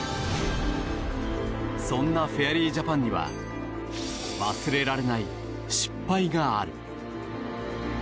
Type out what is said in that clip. そんなフェアリージャパンには忘れられない失敗がある。